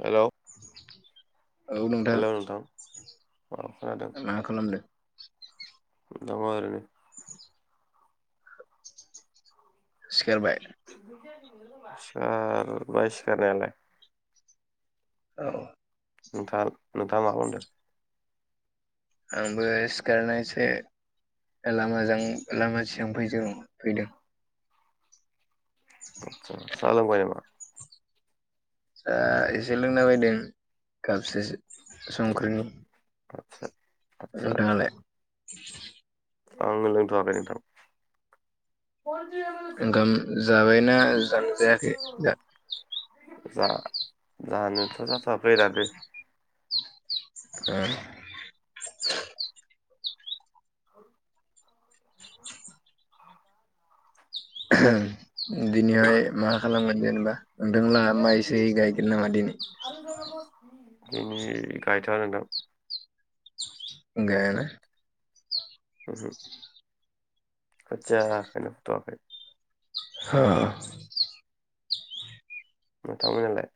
हेल औ नोंथां। औ खोनादों मा खालामदो? दङ आरैनो। सिकारबाय। सिखारबाय सिखारनायालाय। औ। नोंथां नोंथाङा मा खालामदो? आंबोस सिखारनोसो लामाजों लामा सिगां फै फैदों आतसा सा लोंबाय नामा? एसे लोंना बायदों कापबसे संख्रिनि आतसा नोंथाङा लाय आंनो लोंथ'आखै नोंथां ओंखाम जाबायना जानो जायाखै दा जा जानोथ' जाथवाखै दानो ओ [inaudible] दिनैहाय मा खालामगोन जेनेबा नोंथांलाहा माय साय गायगोन नामा दिनै? दिनि गायथवा नोंथां गायाना [unintelligible] खोथियाखोनो फुथवाखै ओ नोंथांमोनहालाय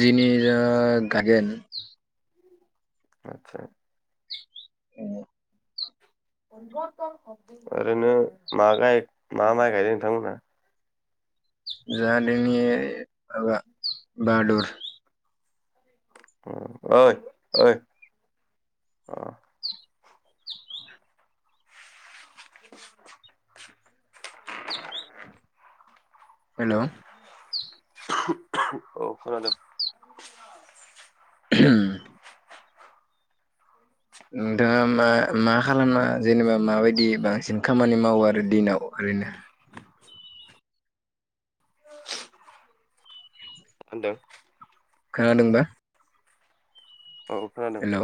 दिनि जोंहा गायगोन। आतसा औ ओरैनो मा गाय मा माइ गायदों नोंथांमोनहा? जोंहा दिनि माबा बाहादुर ओय ओय [inaudible] हेलौ। औ खोनादों। [inaudible] नोंथाङा मा मा खालामा जेनेबा माबायदि बांसिन खामानि मावो आरो दिनाव ओरैनो मा होन्दों? खोनादोंबा। औ खोनादों। हेलौ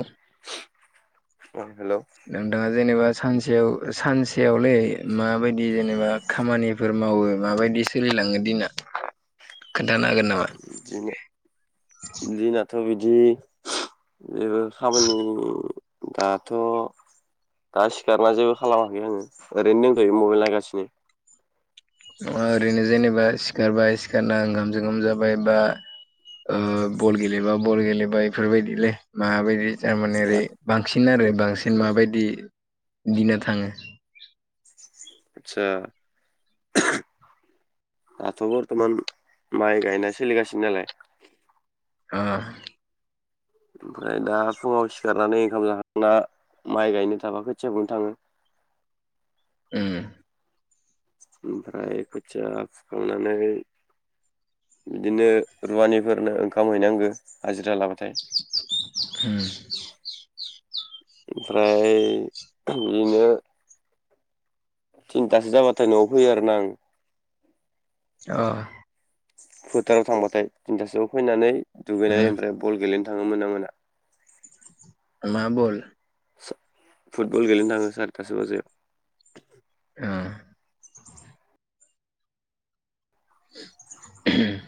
हेलौ नों दा जेनेबा सानसेयाव सानसेयावलै माबायदि जेनेबा खामानिफोर मावो माबायदि सोलि लाङो दिना खोन्थानो हागोन नामा? दिना दिना थ' बिदि जेबो खामानि दाथ' दा सिखारना जेबो खालामाखै आङो ओरैनो दंथयो मबाइल नायगासिनो। ओरैनो जेनेबा सिखारबाय सिखारना ओंगाम सोंखाम जाबाय बा ओ बल गेलेबा बल गेलेबा इफोरबायदिलै माबायदि थारमाने ओरै बांसिन आरो बांसिन माबायदि दिना थाङो? आतसा दाथ' बरथमान माइ गायनाय सोलिगासिनो नालाय [unintelligible] ओमफ्राय दा फुङाव सिखारनानै ओंखाम जाखांना माइ गायनो थाबा खोथिया फुनो थाङो उम। ओमफ्राय खोथिया फुखांनानै बिदिनो रुवानिफोरनो ओंखाम हैनांगौ हाजिरा लाबा। ओम। ओमफ्राय बिदिनो। थिनथासो जाबाथाय न'आव फैयो आरोना आं। अ। फोथाराव थांबाथाय थिनथासोआव फैनानै उम दुगैनानै ओमफ्राय बल गेलेनो था थाङो मोना मोना। मा बल? [unintelligible] फुटबल गेलेनो थाङो सारिथासो बाजियाव। अ ओम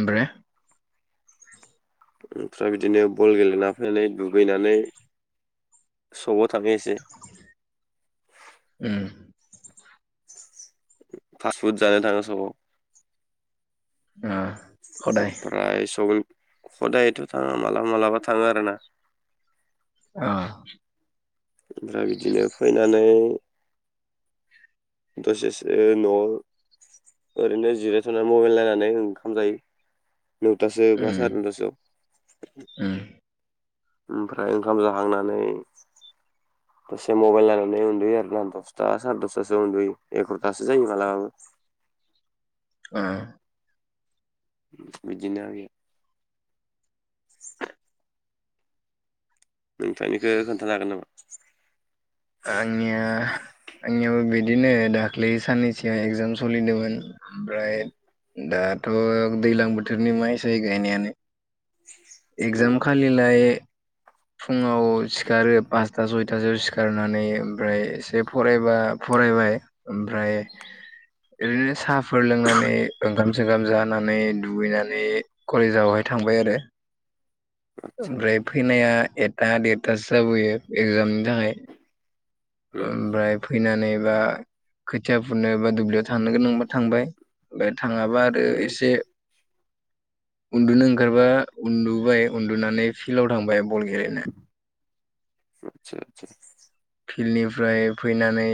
ओमफ्राय। ओमफ्राय बिदिनो बल गेलेना फैनानै दुगैनानै सकआव थाङो एसे। उम फासफुड जानो थाङो सकआव। ओ। हदाय ओमफ्राय सक। कदायथ' थाङा मालाबा मालाबा थाङो आरोना। ओ। ओमफ्राय बिदिनो फैनानै। दसेसे न'। ओरैनो जिराय थ'नानै मबाइल नायनानै ओंखाम जायो। नौथासो उम बा सारि नयथासोयाव। उम ओमफ्राय ओंखाम जाखांनानै। दसे मबाइल नायनानै उन्दुयो आरोना दसथा सारे दसथासो उन्दुयो एकार'थासो जायो मालाबाबो। ओ। ओम बिदिनो नोंथांनिखौ खोन्थानो हागोन नामा? ओ आंनिया आंनियाबो बिदिनो दाख्लै साननैसो एगजाम सोलिदोंमोन। ओमफ्राय दाथ' दैज्लां बोथोरनि माइ जायो गायनायानो। औ एक्जाम खालिलाय फुङाव सिखारो पासथा सयथासोआव सिखारनानै ओमफ्राय एसे फरायबा फरायबाय ओमफ्राय ओरैनो साहाफोर लोंनानै ओंखाम सोंखाम जानानै दुगैनानै कलेजावहाय थां बाय आरो। आदसा ओमफ्राय फैनाया एकथा देरथासो जाबोयो एगजामनि थाखाय। उम ओमफ्राय फैनानै एबा खोथिया फुनो एबी दुब्लियाव थांनो गोनांबा थांबाय। बे थाङाबा आरो उम एसे उन्दुनो ओंखारबा उन्दुबाय, उन्दुनानै फिल्डआव थांबाय बल गेलेनो। आतसा आतसा। फिल्डनिफ्राय फैनानै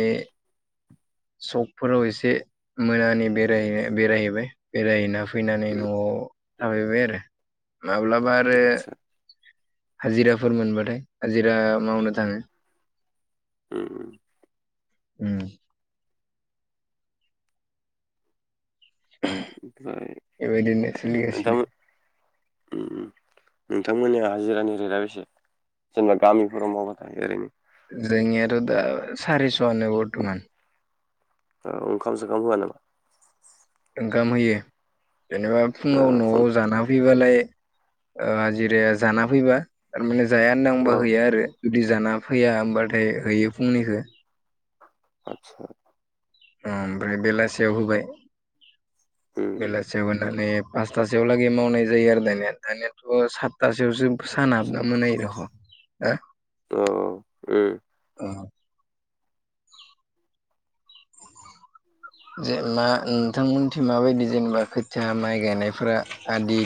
सकफोराव एसे मोनानि बेरायो बेरायहैबाय। बेरायहैना‌ फैनानै उम न'आव थाफैबाय आरो। माब्लाबा आरो आदसा हाजिराफोर मोनबाथाय हाजिरा मावनो थाङो। ओम ओम। ओम। ओमफ्राय बेबायदिनो नोथां सोलिगासिनो ओम नोंथांमोननिया हाजिरानि रेटआ बेसे जेनेबा गामिफोराव मावाबायथाग्राया ओरैनो? जोंनियाथ' दा सारिस'आनो बरथ'मान। औ ओंखाम सोंखाम होआ नामा? ओंखाम होयो जेनेबा ओ फुङाव खन न'आव जाना फैबालाय ओ हाजिराया जाना फैबा तारमाने जाया होनना बुंबा औ हैया आरो जुदि जाना फैया होमबाथाय हैयो फुंनिखौ। आतसा। ओमफ्राय बेलासियाव होबाय, उम बेलासियाव होनानै पासथासोआव लागै मावनाय जायो आरो दानिया। दानियाथ' सात तासोआवसो सान हाबना मोनायो देखन हो? अह। औ उम जे मा नोंथांमोनथिं माबायदि जेनेबा खोथिया माइ गायनायफोरा आदि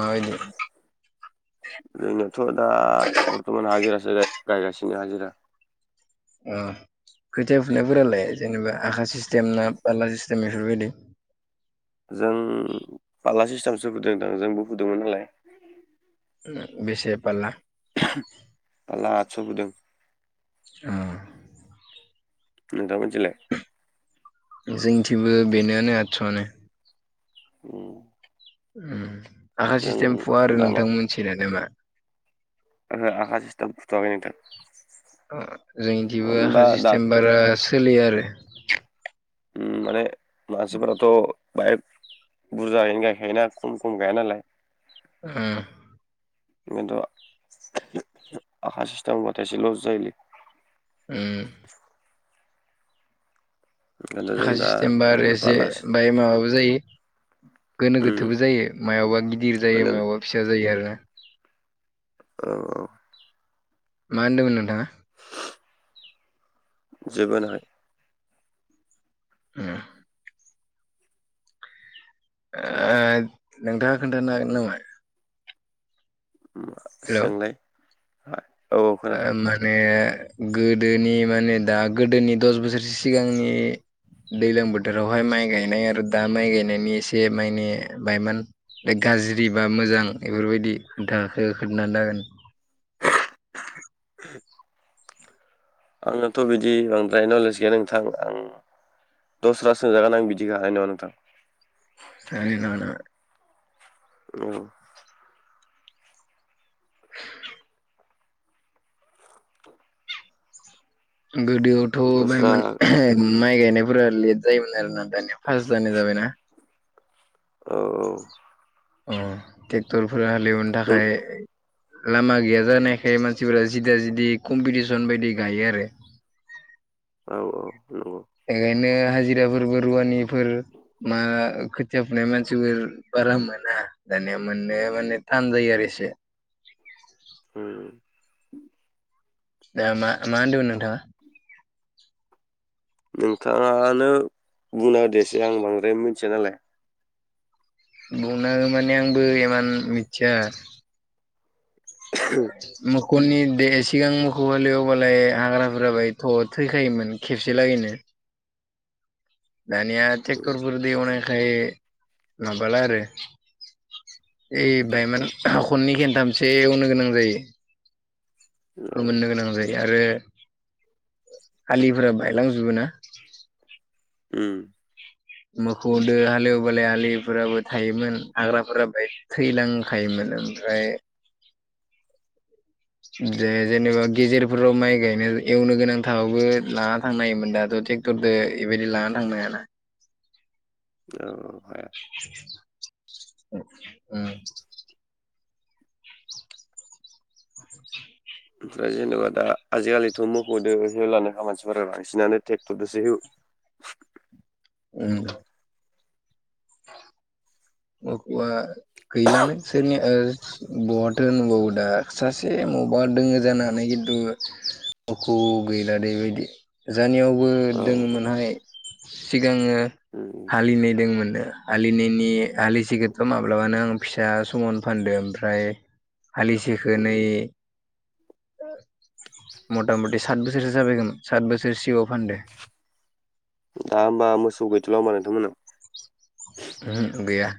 माबायदि जोंनाथ' दा बर्थमान हाजिरसो गायगासिनो ना हाजिरा? ओ। खोथिया फुनायफोरालाय, जेनेबा आखा सिस्टेम ना पारला सिस्टेम बेफोरबायदि? जों फाला सिस्टेमसो फुदों दां, जोंबो फुदोंमोन नालाय। ओम बेसे पारला? फाला आतस' फुदों। अह। नोंथां मोननिथिंलाय? जोंनिथिंबो बेनो नो आतस'आनो। उम। ओम आखा जों सिस्टेम फुवा आरो दा मा नोंथां मोनिथिं मानोबा? ओहो आखा सिसतेम फुथ'वाखै नोंथां। ओ मानो जोंनिथिंबो आखा होनबा सिस्टेम दाथ' बारा सोलिया आरो। ओ माने मानसिफोराथ' बाय बुरजायैनो गायखायोना खम खम गाया नालाय इन्थ' आखा सिस्टामबथायसे लस जायोलि ओंखायनोथ' आखा जों दा सिस्टेमबा आरो ओरैनो एसे बालासो बाय माबाबो जायो। गोनो उम गोथोबो जायो मायावबा गिदिर जायो ओरैनो मायावबा फिसा जायो आरोना। औ औ मा होनदोमोन नोंथाङा जोबो होनाखै उम ओ नोंथाङा खोन्थानो हागोन नामा हेलौ सोंलाय औ ओ खोनादों माने गोदोनि माने दा गोदोनि दस बोसोरसो सिगांनि दैज्लां बोथोरावहाय माइ गायनाय आरो दा माइ गायनायनि एसे माइे बायमान गाज्रि बा मोजां बेफोरबायदि खोथाखौ खोनथानो हागोन आंनाथ' बिदि बांद्राय नलेज गैया नोंथां आं दसरासो जागोन आं बिदिखौ हानाय नङा नोंथां हागोन औ गोदोआवथ' दस्रा बायमान माइ गायनायफोरा लेट जायोमोन आरोना दानिया फार्ट जानाय जाबाय ना औ औ अ ट्रेक्टरफोरा हालेवनो औ नों थाखाय लामा गैया जानायखाय मानसिफोरा जिदा जिदि कम्पिटिसन बायदि गायो आरो। औ औ बेखायनो हाजिराफोरबो रुवानिफोर मा खोथिया फुनाय मानसिफोर रा मोना दानिया माननाया माने थान जायो आरो एसे उ दा मा मा होनदो मोन नोंथाङा नोंथाङानो बुंना होदो एसे आं बांद्राय मिथिया नालाय बुंना होनो माने आंबो इमान मिथिया मो खौनि द सिगां मोखौ हालेवबालाय हाग्राफोराबायथ' थैखायोमोन खेबसे लागैनो दानिया उम टेक्करफोर दो एवनायखाय माबाला आरो। ए औ बायमोन ह खननै खनथामसो एवनो गोनां जायो। फो औ मोननो गोनां जायो आरो आलिफोरा बायलांजोबो ना ओम मोखौ दो हालेवबालाय आलिफोराबो थायोमोन हाग्राफोराबाय थैलांखायोमोन ओमफ्राय दे जेनेबा गेजेरफोराव माइ गायनो एवनो गोनां थाबाबो लाना थांनो हायोमोन दा ट्रेक्टरदो इबायदि लानानै थांनो हायाना औ औ ओम ओमफ्राय जेन'बा दा आजिखालिथ' मोख'दो हेवलानोखा मानसिफोरा बांसिनानो ट्रेक्टरजोंसो एवो। ओम औ मोखौआ गैलानो बिसोरनि बहाथ' नुबावो दा सासे अबबा दङो जानोहानानै खिन्थु मोखौ गैला दैबायदि जायनियाव बो औ दङमोन हाने सिगाङो उम हालिनाय दङमोननो, हालिनिनि हालिसेखौथ' माब्लाबानो आं फिसा समाव फानदो ओमफ्राय, हालिसेखौ नै ओ मथा मथि सात बोसोरसो जाबाय खोमा सात बोसोर सिगाआव फानदो, दा होनबा मोसौ गैथ'ला होमबा नोंथांमोनाव? ओमहो गैया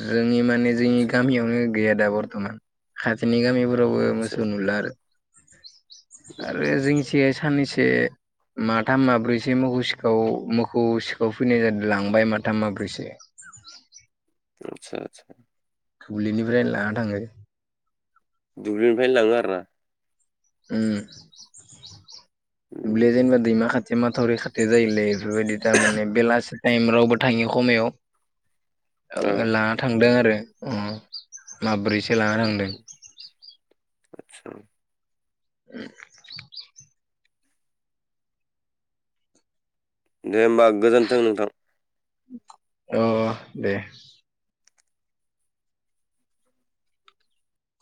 जोंनि माने जोंनि आदसा गामियावनो गैया दा बरथ'मान खा नोंसोरनि गामिफोरावबो आदसा मोसौ नुला आरो आरो जोंंनिथिंहाय साननैसो, माथाम माब्रैसो मोसौ सिखाव मोखौ सिखाव फैनाय जादों लांबाय माथाम माब्रैसो, आदसा आदसा, दुब्लिनिफ्राय लाना थाङो, दुब्लिनिफ्रायनो लाङो आरोना? उम दुब्लाया उम जेनबा दैैमा खा खाथि माथावरि खाथि जायोलै बेफोरबायदि थारमाने बेलासि टाइम रावबो थाङि खमायाव, औ लाना थांदों आरो अ माब्रैसो लाना थांदों, आदसा उम दे होमबा गोजोन्थों नोंथां। अ अ दे